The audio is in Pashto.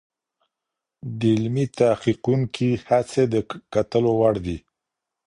د علمي تحقیقونکي هڅې د کتلو وړ دي.